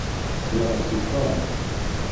Sliɣ-as yeffeɣ.